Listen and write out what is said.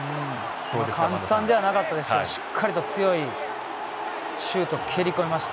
簡単ではなかったですけどしっかりと強いシュートを蹴り込みました。